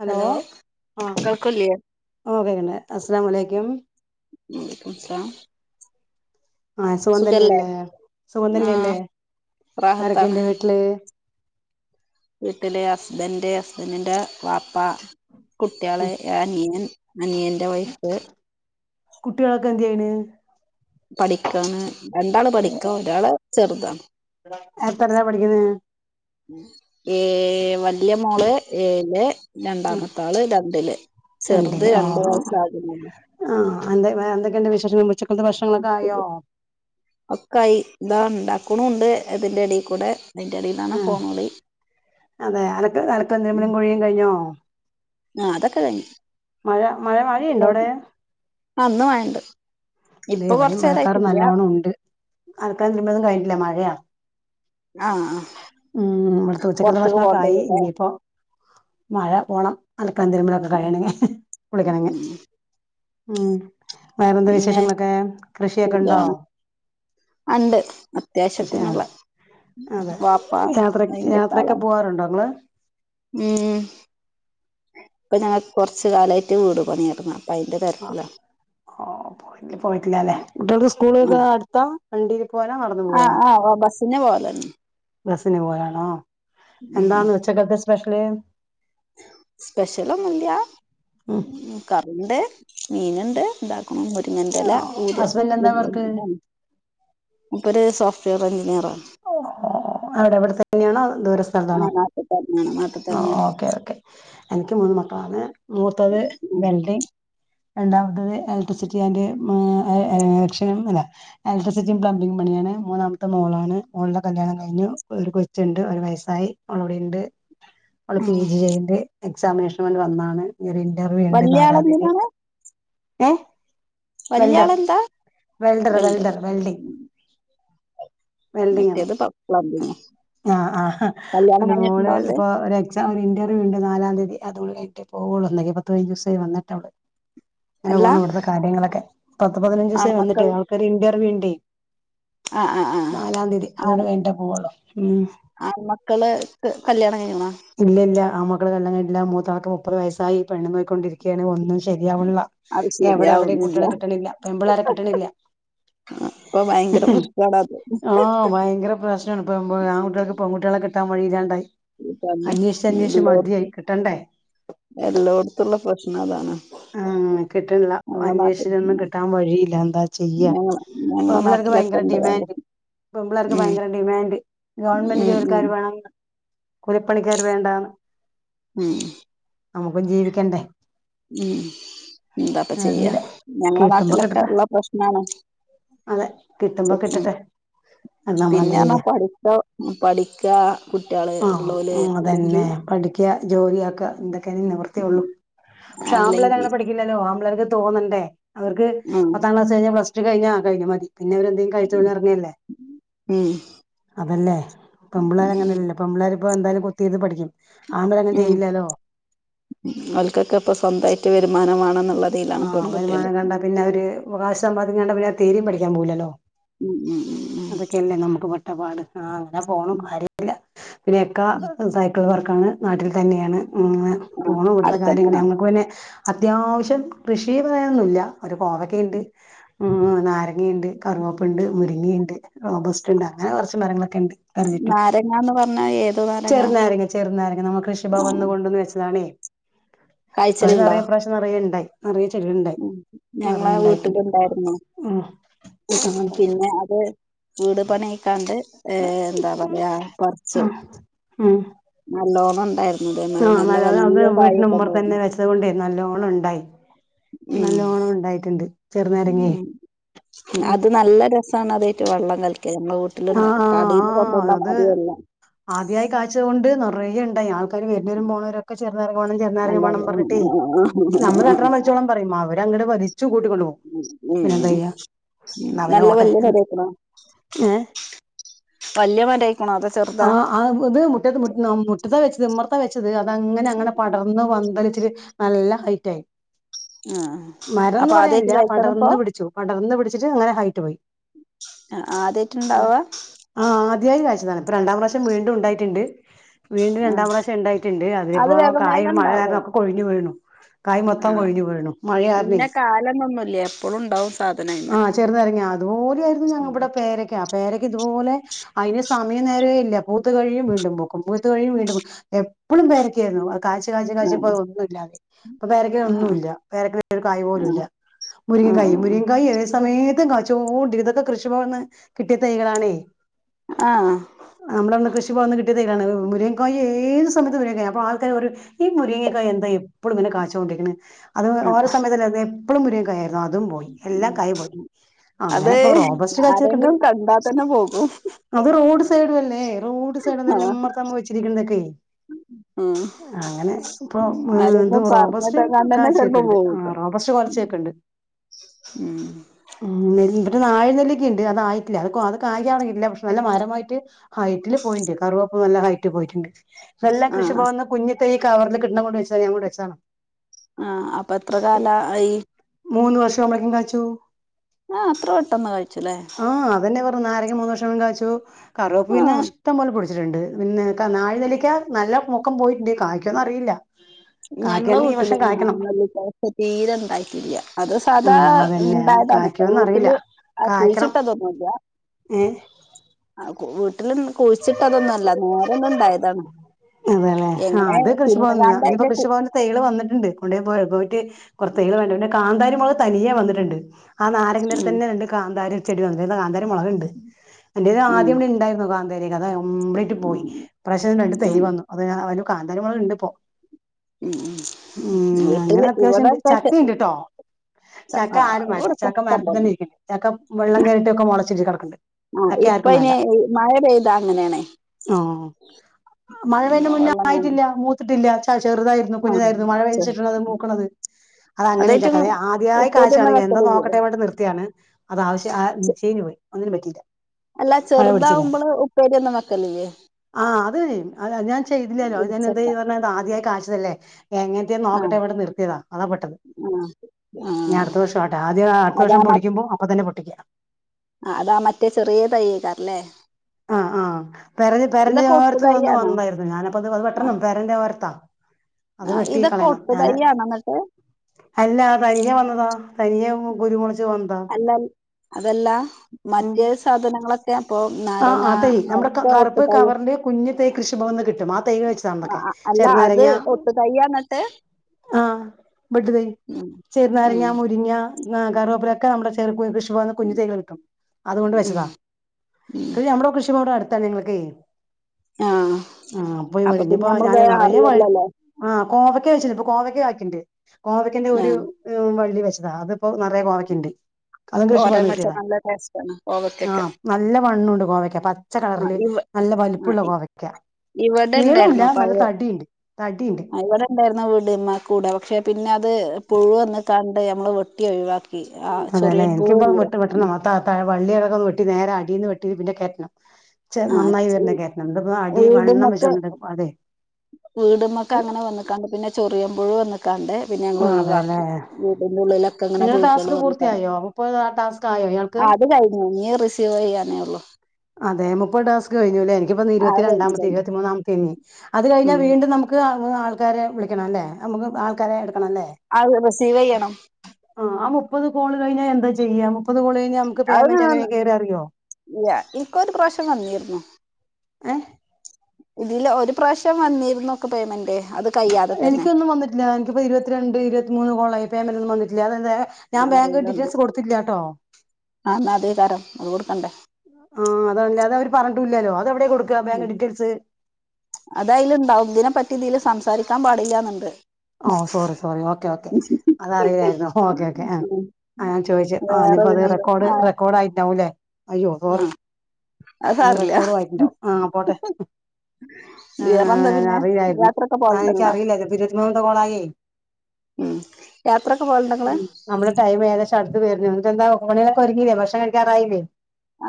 Hello ആഹ് കേൾക്കൂല്ലേ ഓഹ് കേക്ക്ണ്ട്. അസ്സലാമു അലൈക്ക്യും. [inaudible] ലൈകുമുസലാം ആഹ് സുഖം തന്നെയല്ലേ സുഖം തന്നെയല്ലേ, ആഹ് റാഹത്താണ് ആരൊക്കെയ്ണ്ട്‌ വീട്ടില്? വീട്ടില് ഹസ്ബന്റ് ഹസ്ബന്റിന്റെ വാപ്പ കുട്ടിയള് ഉം അനിയനൻ അനിയന്റെ വൈഫ് കുട്ടികളൊക്കെ എന്ത് ചെയ്യണ് പഠിക്കാണ് രണ്ടാള് പഠിക്ക ഒരാള് ചെറുതാണ് എത്രലാ പഠിക്കുന്നത് [inaudible] ഏയ് വല്യ മോള് ഏഴില് ഉം രണ്ടാമത്തെ ആള് രണ്ടില് ചെറുത് രണ്ടില് രണ്ട് ആഹ് വയസ്സ് ആകുന്നൊള്ളൂ ആഹ് എഹ് എന്തൊക്കെണ്ട് വിശേഷങ്ങള് ഉച്ചക്കളത്തെ ഭക്ഷണങ്ങളൊക്കെ ആയോ? ഒക്കായി ഇതാ ഉണ്ടാക്കണൂണ്ട് അതിന്റെ എടേക്കൂടെ ഇതിന്റെ എടെന്നാണ് ആഹ് ഫോൺ വിളി അതെ അലക്ക് അലക്കലും തിരുമ്മലും കുളിയും കഴിഞ്ഞോ ആഹ് അതൊക്കെ കഴിഞ്ഞു മഴ മഴ മഴയുണ്ടോ അവിടെ ആഹ് ഇന്ന് മഴണ്ട് ഇതെ ഇപ്പൊ ഇവിടെയും മഴക്കാറ് കൊറച്ചേരായിട്ടില്ല നല്ലോണ്ണം ഉണ്ട് അലക്കലും തിരുമ്പലും കഴിഞ്ഞിട്ടില്ല മഴയാ ആഹ് ഉം ഇവടുത്തെ ഉച്ചക്കത്തെ പൊറത്ത്ക്ക് ഭക്ഷണൊക്കെ പോകേണ്ടി ആയി വരുംല്ലേ ഇനിയിപ്പോ മഴ പോണം അലക്കലും തിരുമ്പലും ഒക്കെ ഉം കഴിയണെങ്കി കുളിക്കണെങ്കി ഉം ഉം വേറെന്ത പിന്നെ വിശേഷങ്ങളൊക്കെ കൃഷിയൊക്കെ ഉണ്ടോ സുഖാണ് അണ്ട് കൃഷിയാ അത്യാവശ്യത്തിനുള്ള അതെ വാപ്പ യാത്ര അയിന്റെക്കെ യാത്രയൊക്കെ ആളാണ്‌ പോവാറുണ്ടോ നിങ്ങള് ഏഹ് ഇപ്പ ഞങ്ങക്ക് കൊറച്ച് കാലായിട്ട് വീട് പണിയാരുന്നു അപ്പ അയ്ന്റെ ആഹ് ഓഹ് പോയി പോയിട്ടില്ലല്ലേ കുട്ടികൾക്ക് സ്കൂൾപ്പൊ അടുത്താ വണ്ടീ പോല നടന്ന് പോവെ ആഹ് ആഹ് ആഹ് ബസ്സിന് പോവലാണ് ബസിന് പോവാണോ ഉം എന്താണ് ഉച്ചക്കക്ക് സ്പെഷ്യല് സ്പെഷ്യലൊന്നൂല്ല ഉം കറിയുണ്ട് മീന്ണ്ട് ഇണ്ടാക്കും മുരിങ്ങന്റെല ഹസ്ബൻഡ് എന്താ വർക്ക് [unintelligible] മൂപ്പര് സോഫ്‌റ്റ് വെയർ എഞ്ചിനീയർ ആണ് ഓഹ് അടെ ഇവിടെ തന്നെയാണോ ദൂര സ്ഥലത്താണോ ആഹ് നാട്ടി തന്നെയാണ് നാട്ടി ആഹ് തന്നെയാണ് ഓക്കേ ഓക്കേ എനിക്ക് മൂന്ന് മക്കളാണ് മൂത്തത് ഉം വെൽഡിംഗ് രണ്ടാമത്തത് ഇലക്ട്രിസിറ്റി ആൻഡ്‌ [unintelligible] അല്ല ഇലക്ട്രിസിറ്റി പ്ലംബിങ് പണിയാണ് മൂന്നാമത്തെ മോളാണ് ണ് ഓൾടെ കല്യാണം കഴിഞ്ഞു ഒരു കൊച്ചുണ്ട് ഒരു വയസായി അവളവിടെണ്ട് ഓള് പി ഉം ജി ചെയ്യ്ണ്ട് എക്സാമിനേഷനു വേണ്ടി വന്നാണ് ഇനി ഒരു ഇന്റർവ്യൂ ഉണ്ട് നാലാം തീയതി വല്ല്യാളെന്തിനാണ് ഏഹ് വെൽഡർ വല്ല്യാളെന്താ വെൽഡർ വെൽഡർ വെൽഡിങ് വെൽഡിങ്ങാണ് മറ്റേത് പ പ്ലംബിങ്ങാ ആഹ് ആഹ് കല്യാണം അപ്പെന്റെ കഴിഞ്ഞിട്ടുണ്ടോ മോള് ഓൾത് ഇപ്പൊ ഒരെ എക്സാം ഒരു ഇന്റർവ്യൂണ്ട് നാലാം തീയതി അതൂടെ കഴിഞ്ഞിട്ടേ പോകൊള്ളൂ ഇന്നേക്ക് പത്ത് പതിനഞ്ചു ദിവസായി വന്നിട്ട് അവള് അങ്ങനെ അല്ല പോണു ഇവിടുത്തെ കാര്യങ്ങളൊക്കെ പത്ത് പതിനഞ്ച് ദിവസായി വന്നിട്ട് ആൺമക്കൾ അവൾക്കൊരു ഇന്റർവ്യൂ ഉണ്ടെയ് ആഹ് ആഹ് ആഹ് നാലാം തീയതി അതോടെ കഴിഞ്ഞിട്ടാ പോവുള്ളൂ ഉം ആൺ മക്കള് കല്യാണം കഴിഞ്ക്ക്ണോ ഇല്ല ഇല്ല ആഹ് മക്കള് കല്യാണം കഴിഞ്ഞിട്ടില്ല മൂത്താൾക്ക് മുപ്പത് വയസ്സായി പെണ്ണു നോക്കി കൊണ്ടിരി ക്കാണ് ഒന്നും ശരിയാവണില്ല അത് എവിടെ എവിടെയും ശരിയാവുന്നില്ല കുട്ടികളെ കിട്ടണില്ല പെമ്പിള്ളാരെ കിട്ടണില്ല ആഹ് ഇപ്പ ഭയങ്കര പ്രശ് ആഹ് ഭയങ്കര പ്രശ്നാണ് ഇപ്പ ആൺകുട്ടികൾക്ക് പെൺകുട്ടികളെ കിട്ടാൻ വഴി ഇല്ലാണ്ടായി തന്നെ അന്വേഷിച്ച് അന്വേഷിച്ച് എല്ലോട് മതിയായി കിട്ടണ്ടേ എല്ലോട്ത്തുള്ള പ്രശ്ന അതാണ് ആഹ് നോക്കീട്ടില്ല ഞങ്ങളെ നാട്ടിൽ അന്വേഷിച്ച്ട്ടോന്നും കിട്ടാൻ വഴിയില്ല എന്താ ചെയ്യ ഞങ്ങളെ ഞങ്ങളെ [unintelligible] നാട്ടിലൊക്കെ ഭയങ്കര ഉണ്ട് അത് ഡിമാൻഡ് പെൺപിള്ളേർക്ക് ഉം ഭയങ്കര ഡിമാൻഡ് ഗവൺമെന്റ് ഉം ഉം ജോലിക്കാർ വേണം കുലിപ്പണിക്കാര വേണ്ടാ ഉം നമുക്കും ജീവിക്കണ്ടേ ഉം ഉം എന്താപ്പ ചെയ്യാ അറിയില്ല ഞങ്ങളെ കിട്ടുമ്പോ നാട്ടിലൊക്കെ കിട്ടട്ടെ ഇള്ള പ്രശ്നാണ് അതെ കിട്ടുമ്പോ കിട്ടട്ടെ അത് നമ്മളെന്താ പിന്നെറ്ഞ്ഞാ ചെയ്യാ പഠ്ത്തം പഠിക്കാ കുട്ട്യേള് ഇള്ളോല് അല്ലെങ്കി ക്ക്യാ ജോലിയാക്ക ഇതെക്കെ ഇനി ഉം നിവൃത്തിയൊള്ളൂ പക്ഷേ ആ അല്ലെങ്കി പിക്കില്ലല്ലോ ആമ്പിള്ളാർക്ക് തോന്നണ്ടേ അവർക്ക് ഉം പത്താം ക്ലാസ് കഴിഞ്ഞ പ്ലസ് ടു കഴിഞ്ഞാ കഴിഞ്ഞു മതി പിന്നെ അവരെന്തെങ്കി കഴിച്ച ഉടനെ എറങ്ങയല്ലേ ഉം അതല്ലേ ഉം പെമ്പിള്ളേരാങ്ങനല്ലല്ലോ പെമ്പിള്ളേരിപ്പൊ എന്തായാലും കുത്തിയിരുന്ന് പഠിക്കും ആമ്പിള്ളാരങ്ങനെ ഉം ചെയ്യില്ലല്ലോ ഓൽക്കൊക്കെ ഇപ്പൊ സ്വന്തായിട്ട് വര്മാനം മാണെന്ന്ള്ളെ ആഹ് വരുമാനം കണ്ടാ പിന്നവര് കാശ് സമ്പാദിക്ക്ണ കണ്ടാ പിന്നത് തീരിം പഠിക്കാൻ പോവൂലല്ലോ ഉം ഉം ഉം ഉം ല്ലേ നമുക്ക് പെട്ടപ്പാട് ആഹ് അങ്ങനെ പോണു ഉം കാര്യല്ല പിന്നെക്കാ ഉം ഉം സ [unintelligible] വർക്കാണ് നാട്ടില് തന്നെയാണ് മ്മ് ഇങ്ങനെ ആഹ് പോണ് ഇവിട്ത്തെ കാര്യങ്ങള് അടുത്തന്നെയാണോ ഞങ്ങക്ക് പിന്നെ അത്യാവശ്യം കൃഷിന്ന് പറയാനൊന്നുല്ല ഒരു കോവക്കയിണ്ട് ഉം ഉം നാരങ്ങയിണ്ട് കറിവോപ്പ്ണ്ട് മുരിങ്ങയിണ്ട് റോബസ്റ്റ്ണ്ട് അങ്ങനെ കൊറച്ച് മരങ്ങളൊക്കെണ്ട് അറിഞ്ഞിട്ടും നാരങ്ങാന്ന് പറഞ്ഞാ ഏത് നാരങ്ങ ചെറ്നാരങ്ങ ചെറ്നാരങ്ങ നമ്മ കൃഷി ആഹ് ഭവന്ന് കൊണ്ടന്ന് വെച്ചതാണേ അത് കായ്ച്ചലുണ്ടോ നെറേയേ ഈ പ്രവിശം നെറേയെ ഇണ്ടായി നെറയെ ചകിള്ണ്ടായി ഉം ഞങ്ങളെ നെറയെണ്ടായിട്ട്ണ്ട് വീട്ടിലുണ്ടായിരുന്നു ഉം പിന്നെ അത് വീട് പണ്യായിക്കാണ്ട് ഏ എന്താ പറയാ പറ്ച്ച് ഉം നല്ലോണം ഇണ്ടായിരുന്നു ഇതേമാതിരി നല്ല വല്ല്യ കായിക്കെണ്ടാര്ന്നു അത്കൊണ്ടേ നല്ലോണണ്ടായി ഉം നല്ലോണം ഉണ്ടായിട്ട്ണ്ട് ചെറ്നാരങ്ങെ ഉം ഉം അത് നല്ല രസാണ് അതേറ്റ് വെള്ളം കലക്ക്യാ ഞങ്ങളെ വീട്ടില്ണ്ടാ ആഹ് ആഹ് കടെന്ന് ആഹ് കൊണ്ടന്ന അത് മാതിരിയല്ല ആദ്യായി കായ്ച്ചത് കൊണ്ട് നെറയെണ്ടായി ആള്ക്കാര് വര്ന്നോരും പോണോരോ ക്കെ ചെറ്നാരങ്ങ വാണം ചെറ്നാരങ്ങ അല്ലാതെ വാണം ഉം പറഞ്ഞ്ട്ടെ നമ്മള് ഉം രണ്ടെണ്ണം വലിച്ചോളാ പറയും അവരങ്ങട്ട് വലിച്ച് കൂട്ടി കോണ്ട് പോകും ഉം ഉം പിന്നെന്താ ചെയ്യാ എന്നാ പിന്നെ നല്ല പോട്ടെ വല്യ [unintelligible] ഏഹ് വല്ല്യ വെരായിക്ക്ണോ അതോ ചെറുതാ ആഹ് ആഹ് അത് മുറ്റത്ത് മു മുറ്റത്താ വെച്ചത് ഉമ്മർത്താ വെച്ചത് അതങ്ങനങ്ങനെ പടർന്ന് പന്തലിച്ചിട്ട് നല്ല ഹൈറ്റായി ആഹ് മരംന്ന് അപ്പൊ ആദ്യായിട്ട് പറയാനില്ല കഴിക്കണിപ്പോ പടർന്ന് പിടിച്ചു പടർന്ന് പിടിച്ചിട്ട് അങ്ങനെ ഹൈറ്റ് പോയി ആഹ് ഉം ആദ്യായിറ്റ്ണ്ടാവ ആഹ് ആദ്യായിട്ട് കാഴ്ച്ചതാണ് ഇപ്പൊ രണ്ടാം പ്രാവശ്യം വീണ്ടുണ്ടായിറ്റ്ണ്ട് വീണ്ടും ആഹ് രണ്ടാം പ്രാവശ്യം ഇണ്ടായിട്ട്ണ്ട് അത് അതിപ്പോ വേഗം കായ വേഗം മഴ ഇണ്ടാവും കാരണോക്കെ കൊഴിഞ്ഞ് വീണു കായി മൊത്തം ആഹ് കൊഴിഞ്ഞ് വീണു മഴ കാരണെ ഇന്ന കാലംന്നൊന്നുല്ല എപ്പളും ഉണ്ടാവും സാധനം അയിമ്മെ ആഹ് ചേറ്നാരങ്ങാ അതുപോലായിരുന്നു ഞങ്ങ ഇവടെ പേരക്ക പേരക്ക ഇതുപോലെ അയിന് സമയം നേരോ ഇല്ല പൂത് കഴിയും വീണ്ടും പൂക്കും പൂത്ത് കഴിയും വീണ്ടും പൂ എ പ്പളും പേരക്കെയായിരുന്നു അത് കായിച്ച് കായ്ച്ച് കായ്ച്ചിപ്പോ ആഹ് ഒന്നുല്ലാതെയായി ഇപ്പൊ ആഹ് പേരക്കയൊന്നുല്ല പേരക്ക [inaudible] ഒരു കായി ആഹ് പോലുംല്ല മുരിങ്ങക്കായി ആഹ് മുരിങ്ങക്കായി ഏത് സമയേത്തും കയ്ച്ചോ ച്ചോണ്ടിരുന്ന് ഇതൊക്കെ കൃഷി ഭവൻന്ന് കിട്ടിയ തൈകളാണേ ആഹ് നമ്മളന്ന് കൃഷിഭവൻന്ന് കിട്ടിയ തൈകളാണ് മുരിങ്ങകായി ഏത് സമയത്തും മുരിങ്ങക്കായ്യാ അപ്പോ ആള്ക്കാര് പറിം ഈ മുരിങ്ങക്കായ എന്താ എപ്പളും ഇങ്ങനെ കായ്ച്ചോണ്ടിരിക്ക്ണെ അത് ആഹ് ഓരോ സമയത്തല്ല അതെ പ്പളും മുരിങ്ങക്കായായിരുന്നു അതും പോയി എല്ലാം കായ് പോയി അത് അങ്ങനെ ഇപ്പൊ റോബസ്റ്റ് കായ്ച്ചതൊക്കെണ്ട് ആരെങ്കിലും കണ്ടാ തന്നെ പോകും അത് റോഡ് സൈഡു അല്ലേ റോഡ് സൈഡോന്നല്ല ആഹ് ഇമ്മറ്ത്താ നമ്മ വെച്ചിരിക്ക്ണതൊക്കെ ഉം അങ്ങനെ ഇപ്പൊ ഇത് ആരെങ്കിലും റോബസ്റ്റ് പറഞ്ഞിട്ടെങ്ങാണ്ട് തന്നെ ചെലപ്പോ കാഴ്ച്ച്ക്ക്ണ്ട് പോവുട്ടോ റോബസ്റ്റ് കൊലച്ച് ക്ക്ണ്ട് ഉം ഉം ഇവിടെ നാഴി നെല്ലിക്കണ്ട് അത് ആയി അ അത് കായികയാണല്ല പക്ഷെ നല്ല മരമായിട്ട് ഹൈറ്റില് പോയിണ്ട് കറവപ്പം നല്ല ഹൈറ്റിൽ പോയിട്ടുണ്ട് എല്ലാം ആഹ് കൃഷിഭവനിന്ന് കുഞ്ഞി തൈ കവറിൽ കിട്ടണെ കൊണ്ട് വെച്ചാ മതി ഞാൻ കൊണ്ട് വെച്ചാണ് ആ അപ്പൊ എത്ര കാലായി മൂന്ന് വർഷാവുമ്പോഴേക്കും കായ്ക്കും ആ അത്ര പെട്ടെന്ന് കഴിച്ച്ല്ലേ ആഹ് അതന്നെ പറഞ്ഞേ നാരങ്ങ മൂന്ന് പ്രാശ്യം കായിച്ചു കറിവേപ്പ് പിന്നെ ആഹ് ഇഷ്ടം പോലെ ണ്ട് പിന്നെ നാഴി നെല്ലിക്ക നല്ല മുക്കം പോയിട്ടുണ്ട് കായ്ക്കോന്ന് അറിയില്ല ഞങ്ങളെ കായ്ക്കയാണെങ്കിൽ ഈ വർഷം കായ്ക്കണം വീട്ടിലൊന്നുല്ല തീരെ ഉണ്ടാക്കില്ല അത് സാദാ ഉണ്ടായതാണ് പറ്റോഅറിയില്ല ആ കുഴിച്ചിട്ടതൊന്നുല്ല ഏ ആ വിട്ട്ൽ കുഴിച്ചിട്ടതൊന്നു അല്ല നേരൊന്നുണ്ടായതാണ് എങ്ങനെ തിന്നുകാണ്ട് ഐന്റെ- പക്ഷേ തേള് വന്നിട്ടുണ്ട് കൊണ്ട പോ പോയിട്ട് കുറെ തേള് വേണ്ടേ പിന്നെ കാന്താരി മുളക് തനിയെ വന്നിട്ടുണ്ട് ആ ഉം നാരങ്ങന്റെട്തന്നെണ്ട് കാന്താരി ചെടി വന്നിരുന്നു കാന്താരി മുളകുണ്ട് എന്റെത് ഉം ആദ്യം ഇവിടെ ഉണ്ടായിരുന്നു കാന്താ അതെ കംപ്ലീറ്റ് പോയി പ്രശനം രണ്ട് തൈയ് ഉം വന്നു അത് കാന്താരി മുളക്ണ്ട് പോ ഉം ഉം അങ്ങനെ വീട്ടില് അത്യാവശ്യണ്ട് ഇവിടെക്കെ ചക്കിണ്ട്ട്ടോ ചക്ക ആരും വേണ്ട ഇവിടൊക്കെ ചക്ക ഇഷ്ടം മരത്തി പോലെ തന്നെ ഇരിക്കണ്ട് ചക്ക വെള്ളം കയറിട്ടൊക്കെ മുളച്ച് കടക്ക്ണ്ട് ആ ഇപ്പൈന് മഴ പെയ്താ അങ്ങനെയാണേ ആ മഴ പെയ്യു ന്നേന്റെ മുന്നേ വെള്ളം കാണും ആയിട്ടില്ല മൂത്തിട്ടില്ല ചെറുതായി ആ കുഞ്ഞതായിരുന്നു മഴ പെയ്ത ശേഷാണ് അത് മൂക്കണത് അത് അങ്ങനെ അതായിട്ട് ഒരുചക്ക അതെ ആദ്യായി കായ്ചാണ് ഉപ്പേരിയൊന്നും എന്താ വെക്കലില്ലേ നോക്കട്ടെ പറഞ്ഞിട്ട് നിർത്തിയാണ് അത് ആവശ്യ ആ ചെ- ചീഞ്ഞു പോയി ഒന്നിനും പറ്റില്ല അല്ല ചെറുതാവുമ്പോള് ഉപ്പേരിയൊന്നും വെക്കലില്ലേ ആ അത് ഞാൻ ചെയ്തില്ലല്ലോ ഞാൻ അത് ഇടിച്ചക്ക ചെയതു പറഞ്ഞത് ആദ്യായി കായ്ചതല്ലേ എങ്ങനെ ആ നോക്കട്ടെ ഇവിടെ നിർത്തിയതാ അതാ പെട്ടത് ആ ആ ഞി അടുത്ത വർഷാവട്ടെ ആദ്യം അടുത്ത അതാ വർഷം മ പൊട്ടിക്കുമ്പോ അപ്പൊ തന്നെ പൊട്ടിക്കാം ആ അതാ മറ്റേ ചെറ്യേ തയ്യെയ്ക്കാരല്ലേ ആ ആ പെര പെരന്റെ ഒട്ടു ഓരത്ത് വന്ന് തൈയാണോ വന്നതായിരുന്നു ഞാനപ്പത്ത് ആ പെട്ടണം ഓരത്താ അത് ആ വെട്ടി ഇതൊക്കെ കളയണം ഒട്ടു ഞാന് തൈയാണോ എന്നിട്ട് അല്ല തനിയെ വന്നതോ തനിയെ കുരുമുള അല്ല അതല്ല ഉം മറ്റേ സാധനങ്ങളൊക്കെ അപ്പൊ ആ നാരങ്ങ അതേ നമ്മുടെ ഒക്കെ ഒട്ടു കറുപ്പ് തൈ കവറിൽ കുഞ്ഞ് തൈയ് കൃഷിഭവനിന്ന് കിട്ടും ആ തൈ വെച്ചാ മതി ആ അല്ല അത് ഒട്ടു തയ്യാണത് ആ ബഡ് തൈ ഉം ചേറുനാരങ്ങ മുരിങ്ങ ആ കറിവേപ്പിലൊക്കെ നമ്മുടെ ചെറു കൃഷിഭവനിന്ന് കുഞ്ഞു തൈയ്കൾ കിട്ടും അതുകൊണ്ട് ഉം വെച്ചതാ ഉം ക നമ്മുടെ കൃഷിഭവനിവിടടുത്താ ഞങ്ങക്കേയ് ആ ആ അപ്പോ അപ്പൊ വഴി ഞി പിന്നെ ഇപ്പൊ നമ്മളത് ഞാന് നിറയെ വഴി അറിയല്ലല്ലോ ആ കോവക്ക വച്ചു ഇപ്പൊ കോവക്ക കായ്ക്കിണ്ട് കോവക്കന്റെ ആ ഒരു വള്ളി വെച്ചതാ അതിപ്പോ നിറയെ കോവയ്ക്കണ്ട് തോരൻ വെച്ചാ നല്ല ടേസ്റ്റാണ് ആ കോവക്കൊക്കെ നല്ല വണ്ണണ്ണുണ്ട് കോവക്ക പച്ച കളറില് ഇവ നല്ല ആ വലുപ്പുള്ള ഇ- കോവക്ക ഇവിടെ നീളല്ല ഉണ്ടായിരുന്നു നല്ല പഴയ തടിയുണ്ട് തടിയുണ്ട് ആ, ഇവിടെ ഉണ്ടായിരുന്നു വീടമ്മ കൂടെ പക്ഷെ പിന്നെ അത് പുഴുവ ഒന്ന് കണ്ട് നമ്മള് വെട്ടി ഒഴിവാക്കി ആ ചെറിയൻ പൂ വില്ലേ ഉ തത്ത വള്ളിയിളക്ക ഒന്ന് വെട്ടി നേരെ അടിൽ നിന്ന് വെട്ടി പിന്നെ കെറ്റണം ച ആ നന്നായി വരുന്ന ചെ- കേറ്റണം എന്ത അടി വണ്ണം വെച്ചോണ്ടി അതെ വീടമ്മൊക്കെ അങ്ങനെ വന്നക്കാണ്ട് പിന്നെ ചെറിയ പുഴു വന്നക്കാണ്ട് പിന്നെ ഞങ്ങള് അതെല്ലേ ഒയിവാക്കി, വീട്ടിന്റെ ഉള്ളിലൊക്കെ ഇങ്ങനെ നിങ്ങളെ പുഴുക്കള് ടാസ്ക് വന്നതാണ്. പൂർത്തിയായോ മുപ്പത് ടാസ്ക് ആയോ ഇയാൾക്ക് ആഹ് അത് കഴിഞ്ഞു, ഇനി റിസീവ് ചെയ്യാനേ ഒള്ളൂ. അതെ മുപ്പത് ടാസ്ക് കഴിഞ്ഞു ഇല്ലേ? എനിക്കിപ്പം ആ ഇരുപത്തി അത് കഴിഞ്ഞു രണ്ടാമത്തെ കഴിഞ്ഞു ഇരുപത്തി മൂന്നാമത്തെയാ ഇനി, അത് കഴിഞ്ഞാ ഉം. വീണ്ടും നമ് മുക്ക് ആൾക്കാരെ വിളിക്കണം അല്ലേ? നമുക്ക് ആൾക്കാരെ എടുക്കണംല്ലേ? [unintelligible] റിസീവ് ചെയ്യണം. ആഹ് മുപ്പത് കോള് കഴിഞ്ഞാ എന്താ ചെയ്യാ? മുപ്പത് കോള് കഴിഞ്ഞാ നമുക്ക് പേയ്മെന്റ് അത് എങ്ങനാ കേറുകാ അറിയോ? ഇല്ല ഇനിക്കൊരു പ്രാവശ്യം വന്നിരുന്നു. ങ്ഹേ ഇതില് ഒരു പ്രാവശ്യം വന്നിരുന്നു ക്ക് പേയ്മെന്റ് അത് കഴിയാതെ തന്നെ എനിക്കൊന്നും വന്നിട്ടില്ല എനിക്ക് ഇപ്പൊ ഇരുപത്തിരണ്ട് ഇരുപത്തി മൂന്ന് കോളായി, പേയ്‌മെന്റ് ഒന്നും വന്നിട്ടില്ല അതെന്തേ? ഞാൻ ബാങ്ക് അറിയില്ലന്ന് ഡീറ്റെയിൽസ് കൊടുത്തില്ല്യാ ട്ടൊ. ആ എന്നാ അതേ കാരം അത് കൊടുക്കണ്ടേ ആഹ് അതല്ലാതെ അവര് പറഞ്ഞിട്ടും ഇല്ലല്ലോ, അതെവിടെയാ കൊടുക്കുക ഉം ബാങ്ക് ഡീറ്റെയിൽസ് അത് അയിലുണ്ടാവും, ഇതിനെ പറ്റി ഇതില് സംസാരിക്കാൻ പാടില്ലാന്നുണ്ട്. ഓഹ് സോറി സോറി ഓക്കെ ഓക്കെ അതറിയല്ലായിരുന്നു, ഓക്കേ ഓക്കേ ആഹ് ഉം ഞാൻ ചോയിച്ചു ആഹ് വേറെ ഇനിപ്പോ അത് പിന്നെന്താ റെക്കോർഡ് ആ റെക്കോർഡ് ആയിട്ട് ഉണ്ടാവും ല്ലേ അയ്യോ സോറി ആ അത് ആഹ് സാറില്ല റെക്കോഡും ആയിട്ടുണ്ടാവും, ആഹ് പോട്ടെ. വേറെന്താ ആഹ് പിന്നെ അറില്ലായിരുന്നു യാത്രൊക്കെ എനിക്ക് പോകലുണ്ടല്ലോ അറിയില്ല ഉം യാത്രൊക്കെ പോകലുണ്ടോ ഇങ്ങള് [unintelligible] [unintelligible] നമ്മുടെ ടൈം ഏകദേശം അടുത്ത് വരുന്നു, എന്നിട്ടെന്താ ഊണുകളൊക്കെ ഒരുങ്ങില്ലേ ഭക്ഷണം കഴിക്കാറായില്ലേ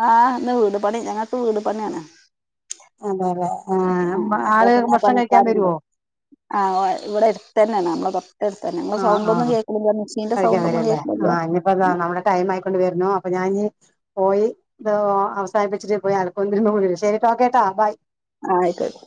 ആഹ് ഇന്ന് വീട് പണി ഞങ്ങക്ക് വീട് പണിയാണ്. അതെ അല്ലേ ആ ആഹ് ആള് ഭക്ഷണം കഴിക്കാൻ വരുവോ? ആഹ് ഇവിടെ എടുത്ത് തന്നെയാണ്‌ നമ്മളെ തൊട് ടടുത്ത് തന്നെ, നിങ്ങള് ആ സൗണ്ട് ആ ആ ഒന്നും കേൾക്കണില്ലോ മിക്സീന്റെ കഴിക്കാൻ സൗണ്ട് ഒന്നും വരുംല്ലേ കേൾക്കണില്ല ആഹ് ഇനിയിപ്പോ ദാ നമ്മുടെ ടൈം ആയിക്കൊണ്ട് വരുന്നു അപ്പൊ ഞാൻ ഇനി പോയി ഇത് അവസാനിപ്പിച്ചിട്ട് പോയി [unintelligible] ശരിട്ടോ ഓക്കെട്ടോ ബൈ. ആയിക്കോട്ടേ.